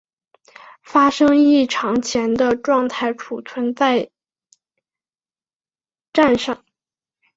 发生异常前的状态存储在栈上。